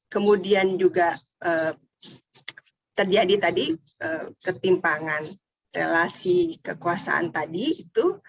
kemudian juga terjadi tadi ketimpangan relasi kekuasaan tadi itu